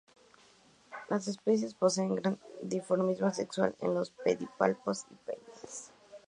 Las especies poseen gran dimorfismo sexual en los pedipalpos y peines.